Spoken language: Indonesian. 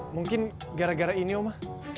mungkin gara gara ini oma